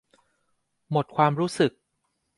หมดความรู้สึก